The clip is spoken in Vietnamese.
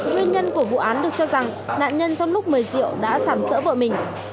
nguyên nhân của vụ án được cho rằng nạn nhân trong lúc mời rượu đã giảm sỡ vợ mình